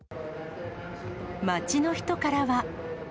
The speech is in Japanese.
街の人からは。